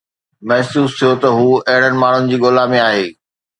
محسوس ٿيو ته هو اهڙن ماڻهن جي ڳولا ۾ آهي